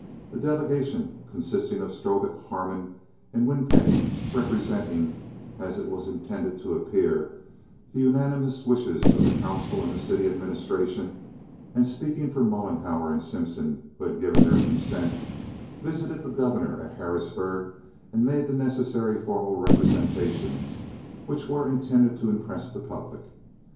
A delegation, consisting of Strobik, Harmon, and Winpenny, representing, as it was intended to appear, the unanimous wishes of the council and the city administration, and speaking for Mollenhauer and Simpson, who had given their consent, visited the Governor at Harrisburg and made the necessary formal representations which were intended to impress the public.